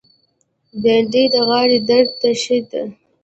بېنډۍ د غاړې درد ته ښه ده